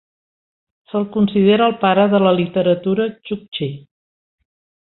Se'l considera el pare de la literatura txuktxi.